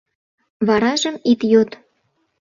Варажым ит йод.